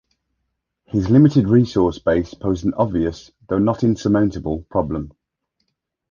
His limited resource base posed an obvious, though not insurmountable, problem.